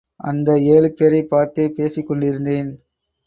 அந்த ஏழு பேரைப் பார்த்தே பேசிக் கொண்டிருந்தேன்.